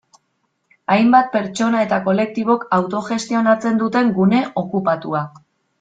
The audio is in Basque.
Hainbat pertsona eta kolektibok autogestionatzen duten gune okupatua.